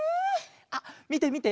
あっみてみて！